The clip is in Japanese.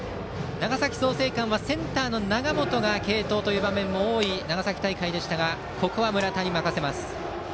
長崎・創成館はセンターの永本が継投という場面も多い長崎大会でしたがここは村田に任せます。